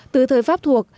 từ thời pháp thuộc